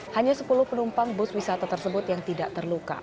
hanya sepuluh penumpang bus wisata tersebut yang tidak terluka